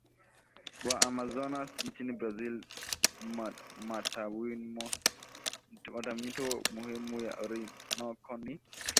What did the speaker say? wa Amazonas nchini Brazil Matawimto muhimu ya Orinoco ni